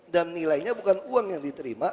dan nilainya bukan uang yang diterima